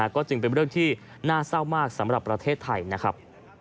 ก็จึงเป็นเรื่องที่น่าเศร้ามากสำหรับประเทศไทยนะครับ